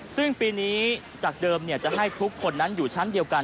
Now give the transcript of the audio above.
ซึ่งปีนี้จากเดิมจะให้ทุกคนนั้นอยู่ชั้นเดียวกัน